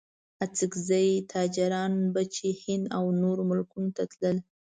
اڅګزي تاجران به چې هند او نورو ملکونو ته تلل.